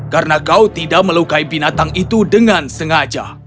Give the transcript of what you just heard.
karena kau tidak melukai binatang itu dengan sengaja